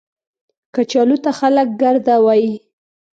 کچالو ته خلک ګرده وايي